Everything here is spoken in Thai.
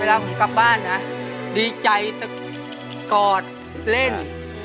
เวลาผมกลับบ้านนะดีใจจะกอดเล่น